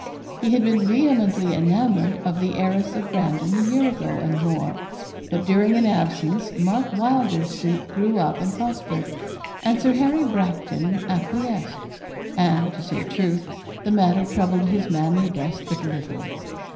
He had been vehemently enamoured of the heiress of Brandon a year ago and more; but during an absence Mark Wylder's suit grew up and prospered, and Sir Harry Bracton acquiesced; and, to say truth, the matter troubled his manly breast but little.